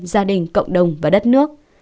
gia đình cộng đồng và đất nước